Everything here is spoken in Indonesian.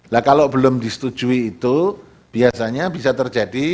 nah kalau belum disetujui itu biasanya bisa terjadi